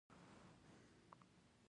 آیا په خپله خاوره کې نه وي؟